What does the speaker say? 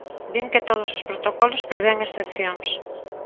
Din que todos os protocolos prevén excepcións.